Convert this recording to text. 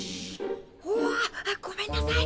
わっごめんなさい。